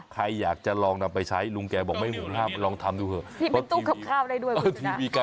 ใครอยากจะลองนำไปใช้ลุงแกบอกไม่ห่วงห้ามลองทำดูเถอะ